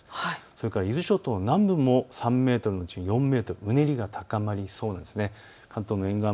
それから伊豆諸島の南部も３メートルから４メートル、うねりが高まりそうです。